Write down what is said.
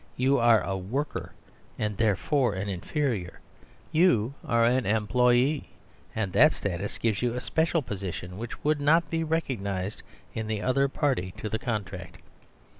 You are a worker, and therefore an inferior : you are an employee ; and that status gives you a special position which would not be recognised in the other party to the contract."